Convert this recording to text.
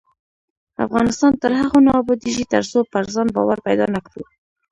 افغانستان تر هغو نه ابادیږي، ترڅو پر ځان باور پیدا نکړو.